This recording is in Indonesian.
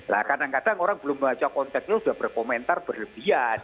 lah kadang kadang orang belum baca konteksnya sudah berkomentar berlebihan